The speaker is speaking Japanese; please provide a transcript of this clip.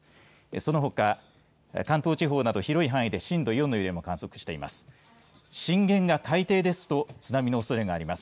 そのほか関東地方など広い範囲で震度４の揺れも観測しています。